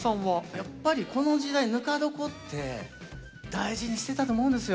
やっぱりこの時代ぬか床って大事にしてたと思うんですよ。